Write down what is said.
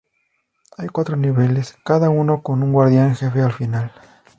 Hay cuatro niveles, cada uno con un Guardián Jefe al final.